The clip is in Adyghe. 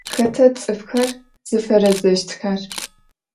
Хэта цӏыфхэр зыфэрэзэщтхэр?